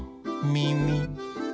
みみ。